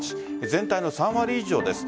全体の３割以上です。